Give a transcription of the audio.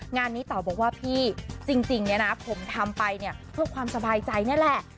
งานนี้เต๋าบอกว่าพี่จริงเนี่ยนะผมทำไปเนี่ยเพื่อความสบายใจนี่แหละ